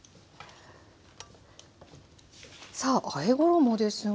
さああえ衣ですが。